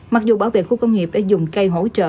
mặc dù bảo vệ khu công nghiệp đã dùng cây hỗ trợ